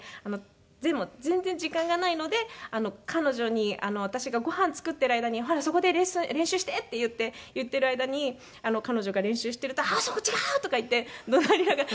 でも全然時間がないので彼女に私がご飯作っている間に「ほらそこで練習して」って言って言っている間に彼女が練習していると「あっそこ違う！」とか言って怒鳴りながら。